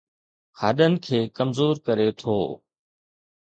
هڏن کي ڪمزور ڪري ٿو